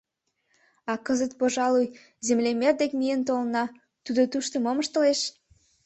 А кызыт, пожалуй, землемер дек миен толына: тудо тушто мом ыштылеш?